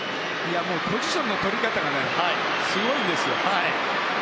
ポジションの取り方がすごいんですよ。